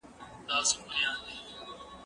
زه پرون کالي ومينځل،